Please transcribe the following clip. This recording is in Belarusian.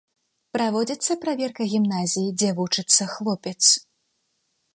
Праводзіцца праверка гімназіі, дзе вучыцца хлопец.